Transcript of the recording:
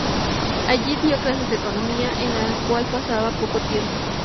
Allí dio clases de economía en las cuales pasaba poco tiempo.